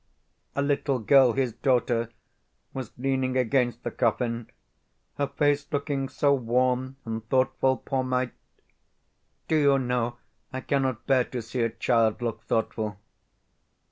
A little girl, his daughter, was leaning against the coffin her face looking so worn and thoughtful, poor mite! Do you know, I cannot bear to see a child look thoughtful.